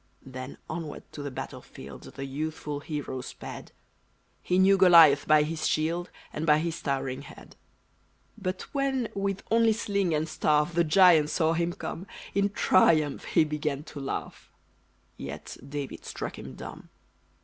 Then onward to the battle field The youthful hero sped; He knew Goliath by his shield, And by his towering head. But when, with only sling and staff, The giant saw him come, In triumph he began to laugh; Yet David struck him dumb.